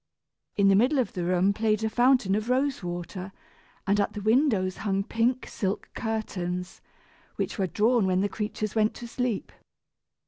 In the middle of the room played a fountain of rose water, and at the windows hung pink silk curtains, which were drawn when the creatures went to sleep.